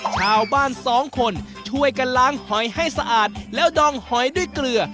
ชาวบ้านสองคนช่วยกันล้างหอยให้สะอาดแล้วดองหอยด้วยเกลือ